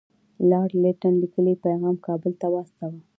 لارډ لیټن لیکلی پیغام کابل ته واستاوه.